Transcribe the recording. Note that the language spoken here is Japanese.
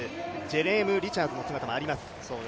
ジェレーム・リチャーズの姿もあります。